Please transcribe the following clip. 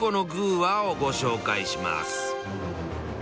話をご紹介します。